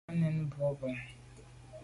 À nèn boa bon.